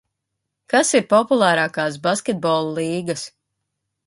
Kas ir populārākās basketbola līgas?